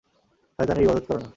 শয়তানের ইবাদত কর না।